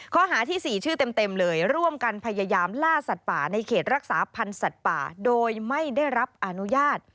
ข้อหาที่๔ชื่อเต็มเลยร่วมกันพยายามล่าสัตว์ป่าในเขตรักษาพันธ์สัตว์ป่าโดยไม่ได้รับอนุญาต